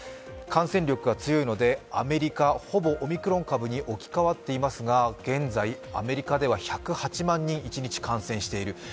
感染力が強いのでアメリカはほぼオミクロン株に置き換わっていますが現在、アメリカでは１０８万人、一日感染している。